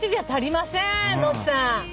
ノッチさん。